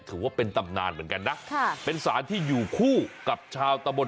ถือว่าเป็นตำนานเหมือนกันนะค่ะเป็นสารที่อยู่คู่กับชาวตะบน